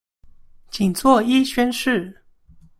僅做一宣示